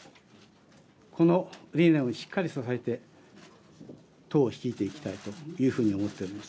この理念をしっかり支えて党を率いていきたいというふうに思っています。